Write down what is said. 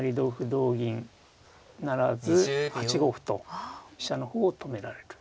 同銀不成８五歩と飛車の方を止められる。